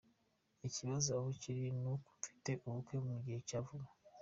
Ikibazo aho kiri ni uko mfite ubukwe mu gihe cya vuba.